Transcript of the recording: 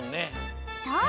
そう。